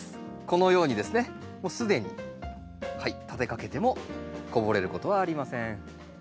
このようにですねもう既に立てかけてもこぼれることはありません。